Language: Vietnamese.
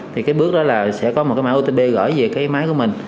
thì cái bước đó là sẽ có một cái mã otp gửi về cái máy của mình